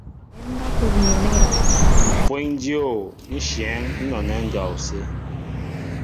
Mpweŋ dyô nshyɛέŋ nɔnɛɛ andɔwsé.